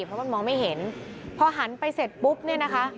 เพราะมันมองไม่เห็นพอหันไปเสร็จปุ๊บเนี่ยนะคะ